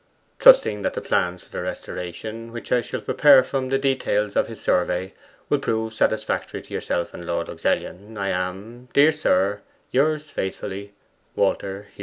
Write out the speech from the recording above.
'Trusting that the plans for the restoration, which I shall prepare from the details of his survey, will prove satisfactory to yourself and Lord Luxellian, I am, dear sir, yours faithfully, WALTER HEWBY.